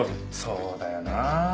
そうだよなあ。